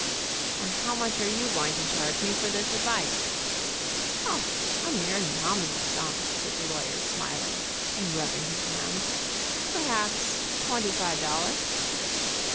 "And how much are you going to charge me for this advice?" "O, a mere nominal sum," said the lawyer, smiling, and rubbing his hands. "Perhaps twenty five dol lars."